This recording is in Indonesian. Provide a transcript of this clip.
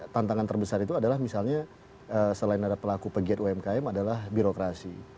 tantangan terbesar itu adalah misalnya selain ada pelaku pegiat umkm adalah birokrasi